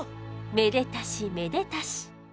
めでたしめでたし。